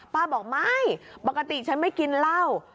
บอกไม่ปกติฉันไม่กินเหล้า